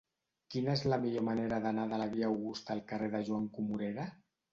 Quina és la millor manera d'anar de la via Augusta al carrer de Joan Comorera?